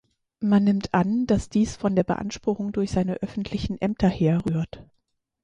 Man nimmt an, dass dies von der Beanspruchung durch seine öffentlichen Ämter herrührt.